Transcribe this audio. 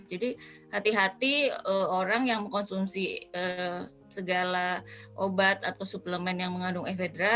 jadi hati hati orang yang mengkonsumsi segala obat atau suplemen yang mengandung ephedra